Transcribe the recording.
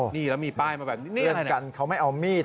นี่แล้วมีป้ายมาแบบนี้นี่อะไรเนี่ย